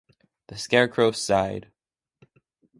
The Scarecrow sighed.